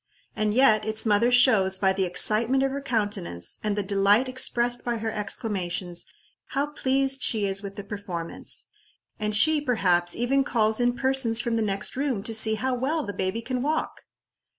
And yet its mother shows, by the excitement of her countenance, and the delight expressed by her exclamations, how pleased she is with the performance; and she, perhaps, even calls in persons from the next room to see how well the baby can walk!